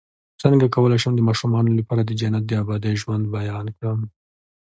څنګه کولی شم د ماشومانو لپاره د جنت د ابدي ژوند بیان کړم